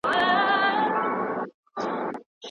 ایا د ډېري غوسې په وخت کي اوبه چښل ګټور دي؟